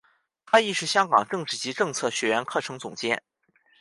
他亦是香港政治及政策学苑课程总监。